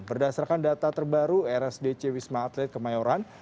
berdasarkan data terbaru rsdc wisma atlet kemayoran